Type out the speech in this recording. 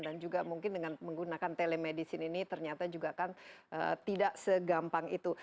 dan juga mungkin dengan menggunakan telemedicine ini ternyata juga kan tidak segampang itu